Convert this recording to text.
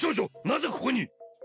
なぜここに！？